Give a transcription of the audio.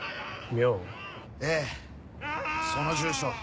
ええその住所